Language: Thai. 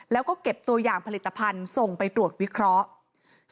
แล้วก็เก็บตัวอย่างผลิตภัณฑ์ส่งไปตรวจวิเคราะห์